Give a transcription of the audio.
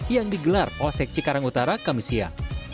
yang digelar posek cikarang utara kamisia